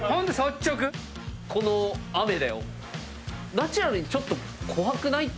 ナチュラルにちょっと。